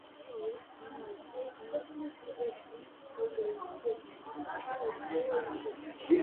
იყო ორი ძმა. უფროს ძმას ცოლი და შვილი ჰყავდა, უმცროსი ძმა კი უცოლო იყო.